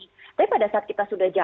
tapi pada saat kita sudah jalan